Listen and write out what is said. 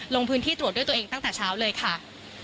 ลงพื้นที่ตรวจด้วยตัวเองตั้งแต่เช้าเลยค่ะ